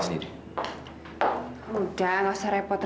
nut kamu akan tahu rata